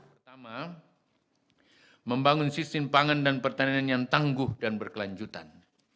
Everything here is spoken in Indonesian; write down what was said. pertama membangun sistem pangan dan pertanian yang tangguh dan berkelanjutan